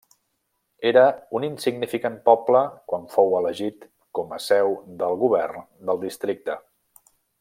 Era un insignificant poble quan fou elegit com a seu del govern del districte.